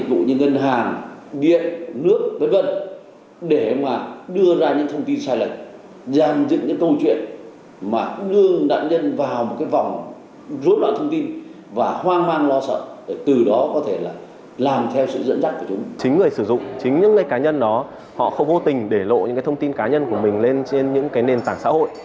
chính người sử dụng chính những người cá nhân đó họ không vô tình để lộ những thông tin cá nhân của mình lên trên những nền tảng xã hội